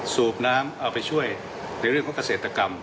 สูบน้ำเอาไปช่วยในเรื่องของเกษตรกรรม